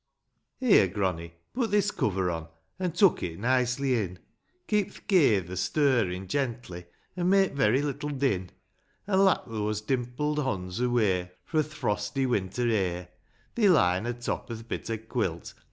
Here, gronny, put this cover on, An' tuck it nicely in ; Keep th' keyther stirrin' gently ; an' Make very little din : An' lap thoose dimpled honds away Fro' th' frosty winter air ; They he'n a top o'th bit o' quilt.